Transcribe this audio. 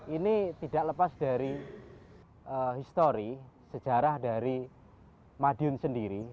ini tidak lepas dari histori sejarah dari madiun sendiri